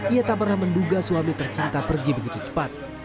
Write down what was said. ia tak pernah menduga suami tercinta pergi begitu cepat